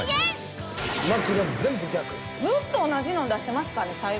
ずっと同じの出してますから最後。